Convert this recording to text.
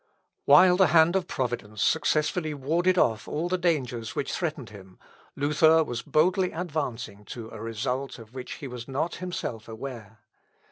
] While the hand of Providence successfully warded off all the dangers which threatened him, Luther was boldly advancing to a result of which he was not himself aware.